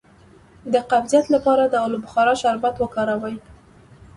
د قبضیت لپاره د الو بخارا شربت وکاروئ